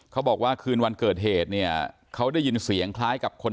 บอกว่าคืนวันเกิดเหตุเนี่ยเขาได้ยินเสียงคล้ายกับคน